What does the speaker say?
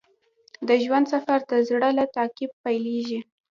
د ژوند سفر د زړه له تعقیب پیلیږي.